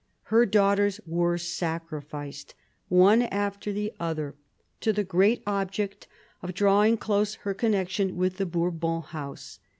Her daughters were sacrificed, one after the other, to the great object of drawing closer her connection with the Bourbon House.